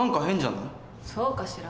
そうかしら。